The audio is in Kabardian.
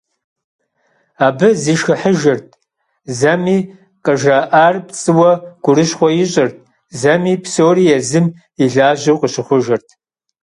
Абы зишхыхьыжырт, зэми къыжраӏар пцӏыуэ гурыщхъуэ ищӀырт, зэми псори езым и лажьэу къыщыхъужырт.